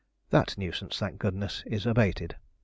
That nuisance, thank goodness, is abated.